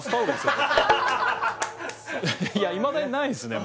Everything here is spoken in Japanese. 僕いまだにないですね